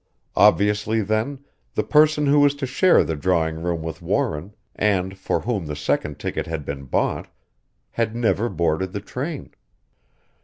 Obviously, then, the person who was to share the drawing room with Warren, and for whom the second ticket had been bought, had never boarded the train.